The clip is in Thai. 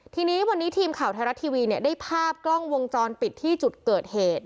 ทีนี้วันนี้ทีมข่าวไทยรัฐทีวีเนี่ยได้ภาพกล้องวงจรปิดที่จุดเกิดเหตุ